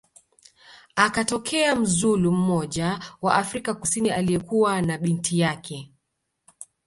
akatokea mzulu mmoja wa Afrika kusini aliyekuwa na binti yake